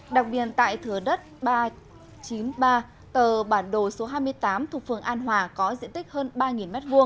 đặc biệt tại thừa đất ba trăm chín mươi ba tờ bản đồ số hai mươi tám thuộc phường an hòa có diện tích hơn ba m hai